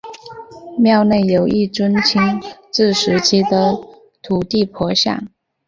庙内有一尊清治时期的土地婆像。